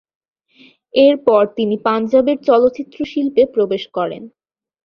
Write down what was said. এরপর তিনি পাঞ্জাবের চলচ্চিত্র শিল্পে প্রবেশ করেন।